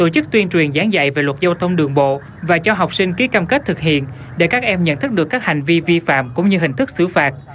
chức tuyên truyền giảng dạy về luật giao thông đường bộ và cho học sinh ký cam kết thực hiện để các em nhận thức được các hành vi vi phạm cũng như hình thức xử phạt